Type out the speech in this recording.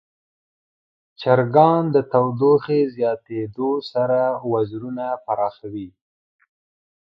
چرګان د تودوخې زیاتیدو سره وزرونه پراخوي.